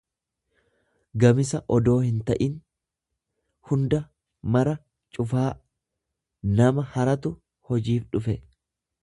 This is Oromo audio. gamisa odoo hinta'in, hunda, mara, cufaa; Nama haratu hojiif dhufe.